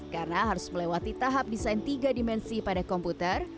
karena harus melewati tahap desain tiga dimensi pada komputer